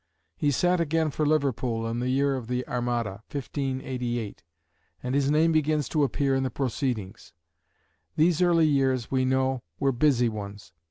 He sat again for Liverpool in the year of the Armada (1588), and his name begins to appear in the proceedings. These early years, we know, were busy ones.